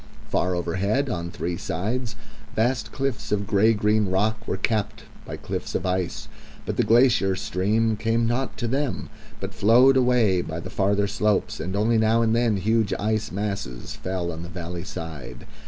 Far overhead, on three sides, vast cliffs of grey green rock were capped by cliffs of ice; but the glacier stream came not to them but flowed away by the farther slopes, and only now and then huge ice masses fell on the valley side.